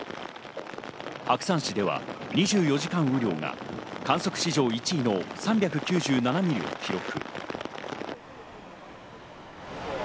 白山市では２４時間雨量が観測史上１位の３９７ミリを記録。